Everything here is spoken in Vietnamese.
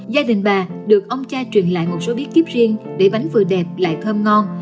gia đình bà được ông cha truyền lại một số bí kíp riêng để bánh vừa đẹp lại thơm ngon